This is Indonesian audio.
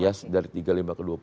iya dari tiga lima ke dua puluh